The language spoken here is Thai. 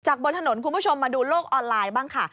บนถนนคุณผู้ชมมาดูโลกออนไลน์บ้างค่ะ